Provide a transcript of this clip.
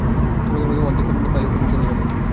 তোমাদের মধ্যে অর্ধেক পাইলটই মিশনে যাবে।